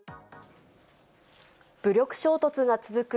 武力衝突が続く